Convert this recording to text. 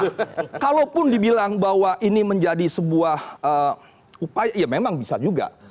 nah kalaupun dibilang bahwa ini menjadi sebuah upaya ya memang bisa juga